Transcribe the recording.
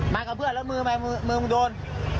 มากับเพื่อนแล้วมือมึงโดน